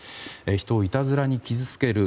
人をいたずらに傷つける